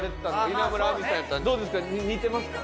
どうですか？